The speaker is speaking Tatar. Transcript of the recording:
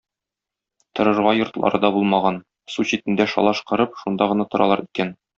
Торырга йортлары да булмаган, су читендә шалаш корып, шунда гына торалар икән.